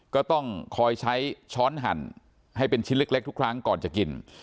ก็ต้องคอยใช้ช้อนหั่นให้เป็นชิ้นเล็กทุกครั้งก่อนจะกิน